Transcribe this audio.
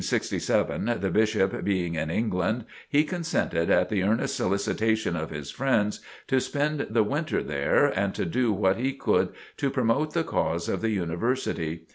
In 1867, the Bishop being in England, he consented at the earnest solicitation of his friends, to spend the winter there, and to do what he could to promote the cause of the University.